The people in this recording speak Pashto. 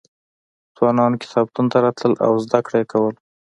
ځوانان کتابتون ته راتلل او زده کړه یې کوله.